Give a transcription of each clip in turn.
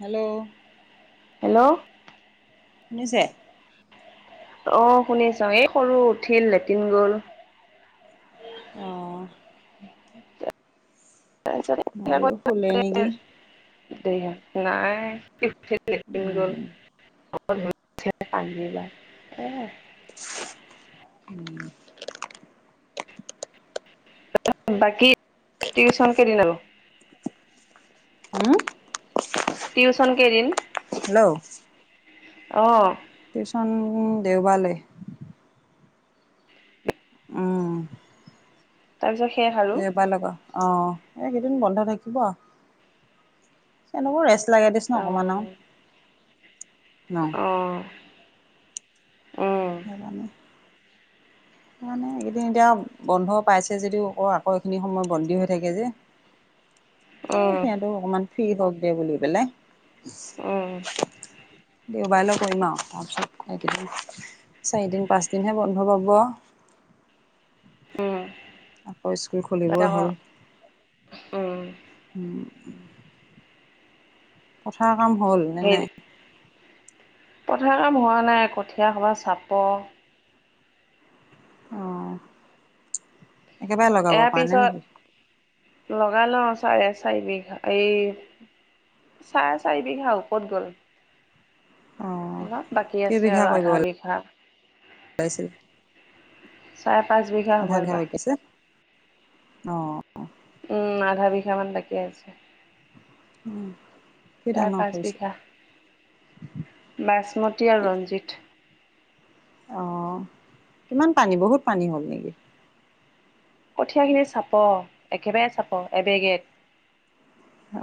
Hello. Hello. শুনিছে? অ শুনিছোঁ এই সৰু উঠিল লেট্ৰিন গ'ল। অ। তাৰপিছত মই বোলো শুলে নেকি। নাই [unintelligible] লেট্ৰিন গ'ল। উম [unintelligible] [inaudible] বাকী টিউচন কেইদিন আৰু? উম। টিউচন কেইদিন? হেল্ল'। অ। টিউচন দেওবাৰলৈ। উম। তাৰ পিছত সেইয়া [unintelligible] এইকেইদিন বন্ধ থাকিব [unintelligible] ৰেষ্ট। ৰেষ্ট লাগে দেচোন অ অকমান আও নহ। অ উম। সেইকাৰণে। মানে এইকেইদিন এতিয়া বন্ধ পাইছে যদিও [unintelligible] আকৌ এইখিনি সময় বন্দী হৈ থাকে যে। এ উম সিহঁতটো অকমান ফ্ৰী হওঁক দে বুলি পেলাই। উম [inaudible] দেওবাৰলৈ কৰিম আৰু [unintelligible] এইকেইদিন চাৰিদিন পাঁচদিনহে বন্ধ পাব। উম। আকৌ স্কুল তাতে খুলিবই আকৌ হ'ল। উম। উম। পথাৰৰ কাম হ'ল নে নাই? পথাৰৰ কাম হোৱা নাই কঠীয়া সোপা চাপো অ', একেবাৰে লগাব ইয়াৰ পৰা নাই নেকি? পিছত লগাই লওঁ চাৰে চাৰি বিঘা এই চাৰে চাৰি বিঘা ওপৰত গ'ল। অ', অলপ বাকী আছে কেইবিঘা আৰু কৰিব আধাৰ বিঘা। [unintelligible] চাৰে পাঁচ হ'ব আধা বিঘা এইবাৰ বাকী আছে। অ। উম আধা বিঘা মান বাকী আছে। উম। তাৰ পাঁচ বিঘা বাচমতী আৰু ৰঞ্জিত। অ', কিমান পানী বহুত পানী হ'ল নেকি? কঠিয়া খিনি চাপৰ একেবাৰে চাব এবেগেত।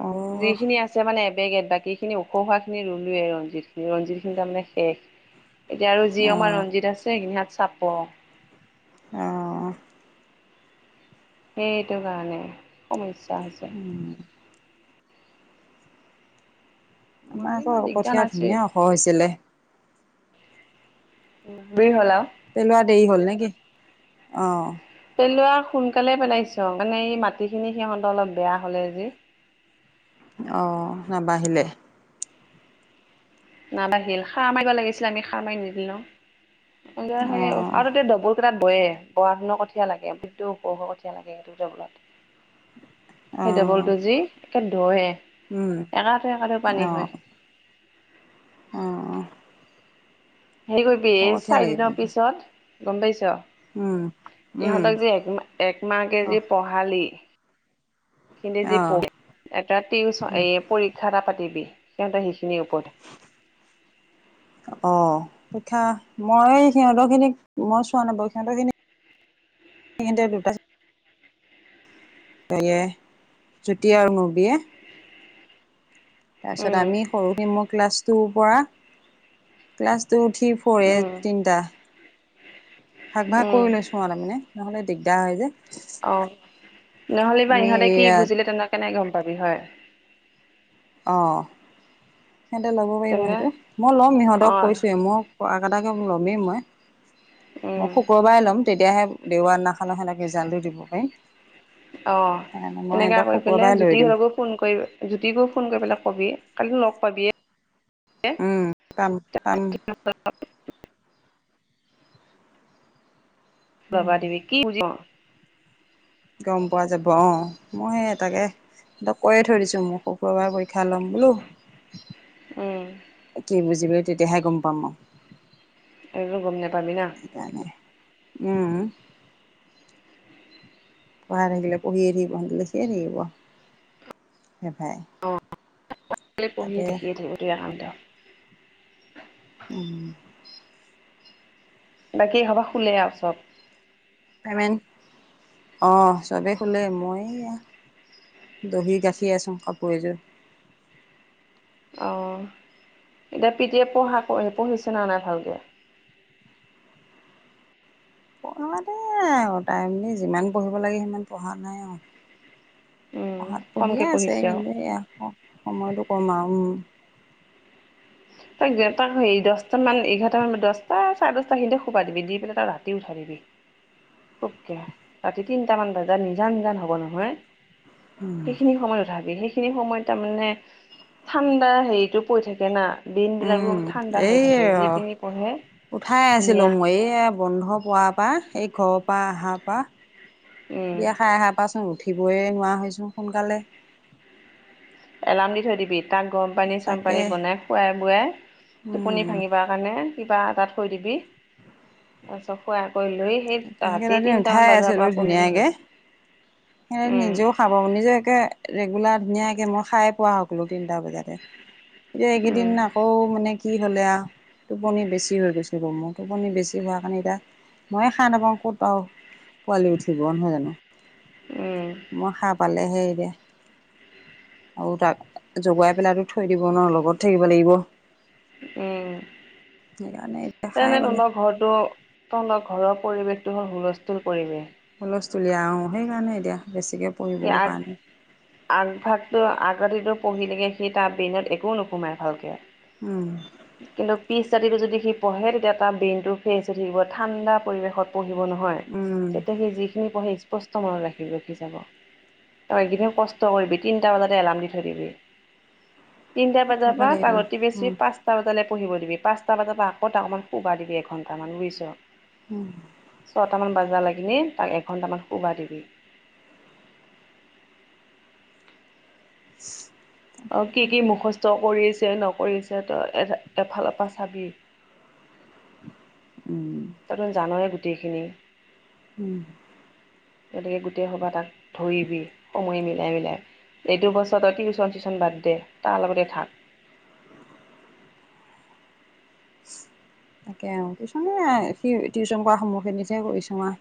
অ', যিখিনি আছে আছে মানে এবেগেত বাকীখিনি ওখ হোৱা খিনি ৰুলোৱে ৰঞ্জিত খিনি ৰঞ্জিত খিনি তাৰমানে শেষ। এতিয়া আৰু যি আমাৰ অ', ৰঞ্জিত আছে সেইখিনি হাত চাপৰ। অ'। সেইটো কাৰণে সমস্যা হৈছে। উম, আমাৰ নহ'লে ইমান আকৌ দিগদাৰ কঠীয়া নাছিল ধুনীয়া ওখ হৈছিলে। বিৰ হ'লা। পেলোৱা দেৰি হ'ল নে কি অ'। পেলোৱা আৰু সোনকালে পেলাইছ মানে এই মাটি খিনি সিহঁত অলপ বেয়া হলে যি। অ', নাবাঢ়িলে। নাবাঢ়িল সাৰ মাৰিবা লাগিছিলে আমি সাৰ মাৰি নিদিলোঁ সেই অ', আৰু তাতে তাত বয়ে বৰা ধানৰ কঠীয়া লাগে কঠীয়া লাগে সেইটো জ বলত সেই অ', ডবলটো যি একে দৱে উম, একাঠু, একাঠু পানী হয়। অ', অ'। হেৰি কৰিবি ওখ এই কঠীয়া লাগিব। চাৰিদিনৰ পিছত গ'ম পাইছ উম, উম। ইহঁতক যে এক একমাহে যে অ', পঢ় ভাল ই হিনিটে জি অ', পঢ়ি এটা টিম এ [unintelligible] পৰীক্ষা এটা পাতিবি সিহঁতে সেইখিনিৰ ওপৰতে। অ', পখীয়া মই সিহঁতৰ খিনিক মই চোৱা নাপওঁ সিহঁতৰ খিনিক সেইখিনিতে দুটা হেৰিয়ে জুতি আৰু মুবিয়ে তাৰপিছত উম আমি সৰুকি মোৰ ক্লাছটোৰ পৰা ক্লাছটো টু থ্ৰি ফ্ৰৰ এই উম তিনিটা। ভাগ, ভাগ উম কৰি লৈছোঁ আৰু তাৰমানে নহ'লে দিগদাৰ হয় যে। অ', নহ'লে বা আমি ইহঁতে কি ইয়াত বুজিলে তেনেক কেনে গ'ম পাবি হয়। অ'। সিহঁতে ল'ব পাৰিব তেনে সেইটো মই ল'ম ইিহঁতক অঁ কৈছোৱে মই ক কটাকে লমেই মই। মই উম শুক্ৰবাৰে ল'ম তেতিয়াহে দেওবাৰ দিনাখনা সেহঁনকে ৰিজাল্টটো দিব পাৰিম। অ', সেইকাৰণে মই সেনেকা সিহঁতক কৰি শুক্ৰবাৰে পেলাই লৈ যদি দিম হয় গৈ ফোন কৰিব জুতি বৌক ফোন কৰি পেলাই কবি কালি লগ পাবিয়ে। উম, কাম, কাম। বাবা দিবি কি পজ [unintelligible] গ'ম পোৱা যাব অ', মই সেই টাকে সিহঁতক কয় থৈ দিছোঁ মোৰ শুক্ৰবাৰ পৰীক্ষা ল'ম বোলো। উম কি বুজিলি তেতিয়াহে গ'ম পাম আও। এনেতো গম নাপাবি না। উম। পঢ়াই থাকিলে পঢ়িয়ে থাকিব সে লেখি থাকিব এটাই। অ', [unintelligible] পঢ়িয়ে দেখিয়ে থাকিব [unintelligible] উম। বাকী এই সবা শুলে আৰু চব। পেমেণ্ট অ', চবেই খোলে মই এয়া। দহি গাঠী আছুঙ কাপোৰ এযোৰ অ এতিয়া পিটিয়ে পঢ়া পঢ়িছেনা নাই ভালকে? কোনোমতে আৰু তাইমানে যিমান পঢ়িব লাগে সিমান পঢ়া নাই আৱ উম পঢ়াত পঢ়িয়ে কমকে আছে পঢ়িছে আৰু কিন্তু সেয়া সময়তটো কম আৰু উম তাক তাক হ দহটা মান, এঘাৰটা মান দহটা চাৰে দহটা খিনিতে সোবা দিবি দি পেলাই তাক ৰাতি উঠাই দিবি অকে ৰাতি তিনটামান বজাত নিজান নিজান হব নহয় উম সেইখিনি সময়ত উঠাবি সেইখিনি সময়ত তাৰমানে ঠাণ্ডা হেৰিটো পৰি থাকে না বিন বিলাকো উম ঠাণ্ডা হৈ এই থাকে যিখিনি পঢ়ে উঠাই আছিলো ধুনীয়া মই এইয়া বন্ধ পোৱা সেই ঘৰৰ পৰা অহাৰ পৰা উম বিয়া খাই অহাৰ পৰাচোন উঠি উঠিবই নোৱাৰা হৈছোঁ সোনকালে। এলাৰ্ম দি থৈ দিবি তাক গৰম পানী চৰম তাকে পানী বনাই খুৱাই বোৱাই টোপনি উম ভাঙিবা মানে কিবা এটা থৈ দিবি- তাৰপিছত খোৱাই কৰি লৈ সেই ৰাতি সেকেইটা দিন তিনিটামান উঠাই বজাৰ আছিলোঁ পৰা পঢ়িলি হ'ল ধুনীয়কে সি উম নিজেও খাব নিজেএকে ৰেগুলাৰ ধুনীয়াকে মই খাই পোৱা সকলো তিনটা বজাতে এতিয়া এইকেইদিন উম আকৌ মানে কি হলে আও টোপনি বেছি হৈ গৈছে মোৰ টোপনি বেছি হোৱাৰ কাৰণে এতিয়া ময়ে সাৰ নাপাওঁ ক'ত আও পোৱালি উঠিব নহয় জানো উম মই সাৰ পালেহে এতিয়া আৰু তাক জগুৱাই পেলাইতো থৈ দিব নোৱাৰোঁ লগত থাকিব লাগিব। সেইকাৰণে এতিয়া উম খাই এনে মানে তহঁতৰ ঘৰটো তহঁতৰ ঘৰৰ পৰিৱেশটো হ'ল হুলষ্টোলিয়া পৰিৱেশ হুলোষ্টোলিয়া অহ সেইকাৰণে এতিয়া বেছিকে পঢ়িবও পৰা এয়াত নাই আগভাগটো আগৰাতিটো পঢ়িলেকে সি তাৰ ব্ৰেইনত একো নোসোমায় ভালকে। উম কিন্তু পিছ ৰাতিটো যদি সি পঢ়ে তেতিয়া তাৰ ব্ৰেইনটো ফ্ৰেচ হৈ থাকিব ঠাণ্ডা পৰিৱেশত পঢ়িব নহয় উম তেতিয়া সেই যিখিনি পঢ়ে স্পষ্ট মনত ৰাখি ৰাখি যাব। তই এইকেদিন কষ্ট কৰিবি তিনটা বজাতে এলাৰ্ম দি থৈ দিবি। তিনটা বজাৰ থাকিব পৰা লাগিব তাক অতি উম বেছি পাঁচ টা বজালে পঢ়িব দিবি। পাঁচটা বজাৰ পৰা আকৌ তাক অকণমান শুবা দিবি এঘণ্টামান বুইছ উম ছটামান বজা লাগিলে তাক এঘণ্টামান শুবা দিবি। [inaudible] আৰু কি কি মুখস্থ কৰিছে নকৰিছে তই এ এফালপা চাবি। ওম তইতো জানই গোটেইখিনি উম গতিকে গোটেই সোপাই তাক ধৰিবি সময় মিলাই মিলাই। এইটো বছৰত টিউচন চিউচন বাদ দে তাৰ লগতে থাক। তাকে আৱ টিউচন সেইয়াই সি টিউচন কৰা সময়খিনিতহে কৰিছোঙ আৱ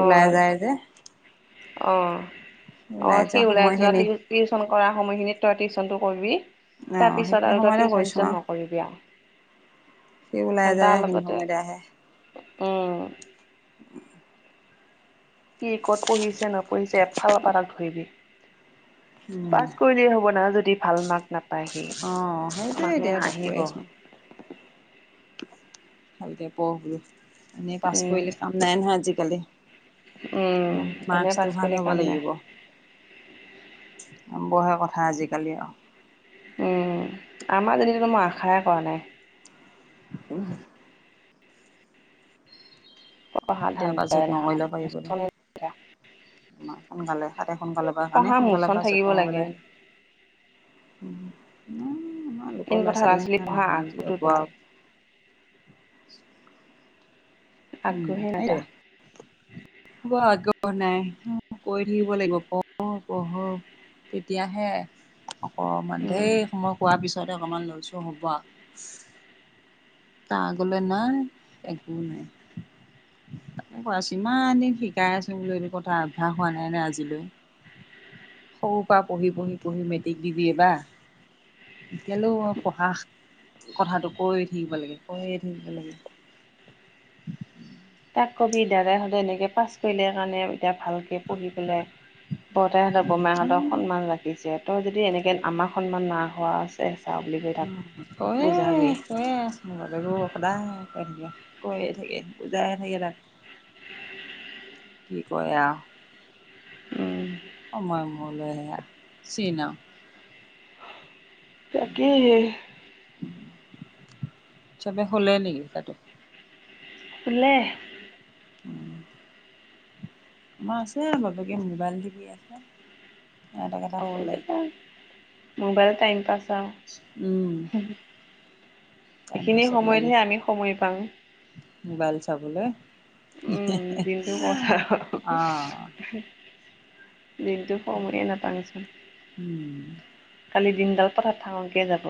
অ যে অ অ সি ওলাই যোৱা টি টিউচন কৰা সময়খিনিত তই টিউচনটো কৰিবি। অঁ তাৰপিছত সেইখিনি আৰু তই সময়তে কৰিছোঁ টিউচন-চিচন আৰু ন কৰিবি আৰু সি ওলাই ঘান্টা যায় সেইখিনি লগতে সময়তে আহে উম, [inaudible] কি ক'ত পঢ়িছে নপঢ়িছে এফালৰ পৰা তাক ধৰিবি। পাছ কৰিলেই হ'ব না যদি ভাল মাৰ্ক নাপায় সি অঁ সেইটোৱে মানুহে এতিয়া তাক কৈ হাঁহিব। আছোঁ ভালকৈ পঢ় বুলো এনেই পাছ উম কৰিলে কাম নাই নহয় আজিকালি। উম এনে পাছ মাৰ্কছটো ভাল কৰিলে হ'ব কাম নাই লাগিব। নম্বৰহে কথা আজিকালি আৰু। উম, আমাৰ জনীতো মই আশাই কৰা নাই। উম, মই পঢ়া এতিয়াৰ পৰা ধাণ্ডাই যত্ন দেখা নাপাওঁ। [unintelligible] উম, পঢ়া মোচন তোমালোকৰ থাকিব লাগে। ল'ৰা ছোৱালী নিচিনা নহয় মেইন কি কথা ল'ৰা ছোৱালী পঢ়া হব আগ্ৰহটো বেলেগ আৰু! উম, আগ্ৰহে সেইটোৱেই। [inaudible] আগ্ৰহ নাই কৈ থাকিব লাগিব পঢ় অ পঢ় অ। তেতিয়াহে অকমান ধেই উম, সময় কোৱাৰ পিছত, তাতে অকণমান লৰ চৰ হ'ব আউ, তাৰ আগলৈ নাই একো নাই, [inaudible] তাকে কৈ আছো ইমান দিন শিকাই আছো বেলো এইটো কথা অভ্যাস হোৱা নাই ন আজিলৈ, সৰু পৰা পঢ়ি পঢ়ি পঢ়ি মেট্ৰিক দিবি এ বা, এতিয়ালৈও পঢ়া কথাটো কৈয়ে থাকিব লাগে কৈয়ে থাকিব লাগে। [inaudible] তাক কবি দাদাই সঁতে এনেকৈ পাছ কৰিলে কাৰণে এতিয়া ভালকৈ পঢ়ি পেলাই, বৰতাহঁতৰ বোমাহঁতৰ সন্মান ৰাখিছে তই যদি এনেকে আমাৰ সন্মান ম না হোৱা আছে চাও বুলি, কৈ থাক কৈয়েই বুজাবি কৈয়েই আছ মোৰ বাপেকো সদায় কৈ থাকে কৈয়ে থাকে বুজায়ে থাকে তাক। কি কয় আৰু, উম, সময় মূলৈহে আৰু চিনাওঁ, তাকেহে, চবে শুলে নেকি তাতে, শুলে, [inaudible] আমাৰ আছে বাপেকে মোবাইল টিপি আছে। এটাক এটা শুলে আৰুতি মোবাইল টাইম পাছ উম আৰু, টাইম এইখিনি পাছত সময়তহে লাগিছে আমি সময় পাওঁ। মোবাইল চাবলৈ, উম দিনটো কথা। অ দিনটো সেইটো সময়ে নাপাওঁচোন, উম কালি দিনডাল পথাত থাঙকে যাব।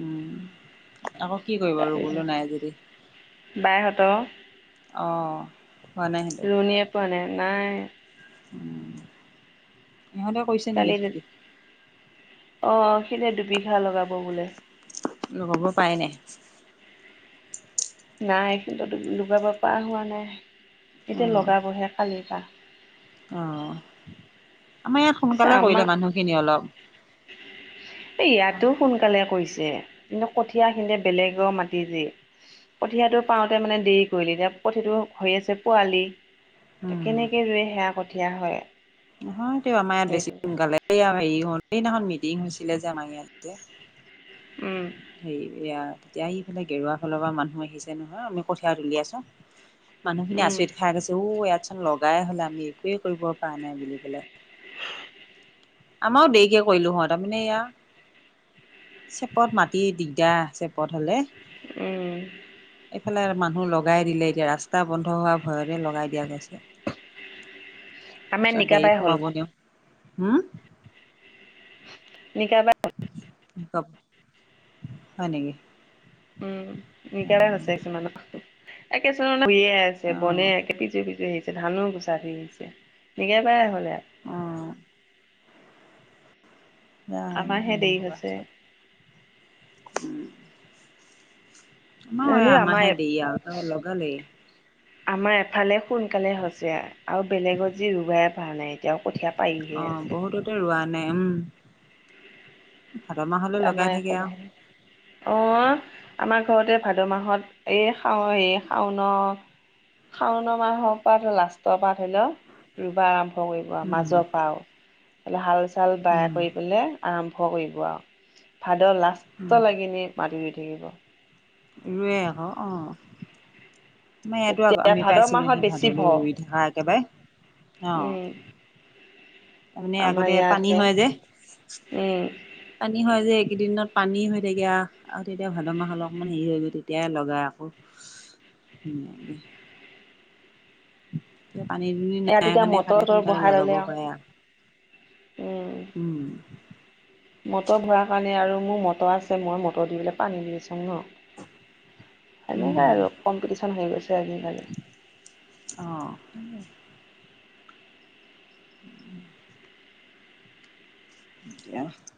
উম আকৌ কি কৰিব ৰুবলো নাই যদি। বাইহঁত অঁ ৰুণিয়ীয়ে পোৱা নাই নাই, উ ইহঁতেও, কালি যে অ' সি এতিয়া দুবিঘা লগাব বোলে। লগাব পাৰাই নাই? নাই সিহঁত লগাব পৰা হোৱা নাই এতিয়া অ', লগাবহে কালি পা। অ', আমাৰ ইয়াত সোনকালে কৰিলে মানুহখিনিয়ে অলপ। এ ইয়াতো সোনকালে কৰিছে। কিন্তু কঠীয়া সিহঁতে বেলেগ মাতি দি। কঠীয়াটো পাওঁতে মানে দেৰি কৰিলে এতিয়া কঠীয়াটো হৈ আছে পোৱালি। তে উম, কেনেকে ৰোৱে হেয়া কঠীয়া হয়! নহয় এই আমাৰ ইয়াত বেছি সেইটো কাৰণে সোনকালে হেৰি হ'ল সেইদিনাখন মিটিং হৈছিলে যে আমাৰ ইয়াত যে। উম। হেৰি এয়া তেতিয়া ইফালে গেৰুৱা ফালৰ পৰা মানুহ আহিছে নহয় আমি কঠীয়া তুলি আছো। মানুহখিনি উম আচৰিত খাই গৈছে অওঁ ইয়াত চোন লগাই হ'লে আমি একোৱেই কৰিব পৰা নাই বুলি পেলে। আমাৰও দেৰিকে কৰিলো হয়, তাৰমানে এয়া চেপত মাটি দিগদাৰ চেপত হ'লে। উম এফালে মানুহ লগ লগাই দিলে এতিয়া ৰাস্ত তা বন্ধ হোৱা ভয়তে লগাই দিয়া গৈছে আমাৰ পিছত গাড়ী নিকাবাই হ'ল সোমাব দিওঁ। হম? [inaudible] হয়, নেকি? উম, অ [unintelligible] একে [unintelligible] আছে অ বনে একে [unintelligible] ধানো গুচা উঠি আাহিছে [unintelligible] হ'লে আৰু। অ'। জানো আমাৰহে মানুহ দেৰি খোপা হৈছে চব উম। আমাৰো নহ'লেও আমাৰ আমাৰহে দেৰি আৰু তেওঁ লগালেই। আমাৰ এফালে সোনকালে হৈছে আৰু বেলেগত যি ৰুবাই পৰা নাই। তেওঁ কঠীয়া পাৰিহে আছে। তেওঁ ৰোৱা নাই উম ভাদ মাহলৈ লগাই থাকে আৰু। অ', আমাৰ ঘৰতে ভাদ মাহত এই শাও এই শাওনৰ শাওনা মাহৰ পৰা লাষ্টৰ পৰা ধৰি ল। ৰুবা আৰম্ভ কৰিব আৰু উম মাজৰ পা আৰু এনে হাল চাল বাই উম কৰি পেলাই আৰম্ভ কৰিব আৰু ভাদৰ উম লাষ্টলৈ কিনি মাটি ধৰুই থাকিব। ৰোৱে আকৌ অ'। তোমাৰ ইয়াতো আকৌ তেতিয়া আমি ভাদ পাইছিলো মাহত আহি বেছি ভাদলৈ ভৰ ৰুই থকা একেবাৰে অ'। উম তাৰমানে আমাৰ আগতে ইয়াত পানী ইয়াতহে হয় যে। উম পানী হয় যে এইকেইদিনত পানী হৈ থাকে আৰু। আৰু তেতিয়া ভাদ মাহ অলকপমান হেৰি হৈ গৈ তেতিয়াই লগাই আকৌ ধুনীয়াকে। এতিয়া পানী দুনী নাই ইয়াত তেতিয়া কাৰণে মটৰ সাহঁতে তটৰ সোনকালে বহাই লগাব ললে পাৰে আৰু। উম। মটৰ ভৰাই কাৰণে আৰু মোৰ মটৰ আছে মই মটৰ দি পেলাই পানী দি চোং ন। হেনেকুৱাই উম আৰু কম্পিটিচন হৈ গৈছে আজিকালি। অ'। [inaudible]